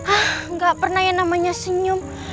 ah nggak pernah yang namanya senyum